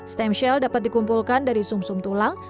stem shell dapat dikumpulkan dari sum sum tulang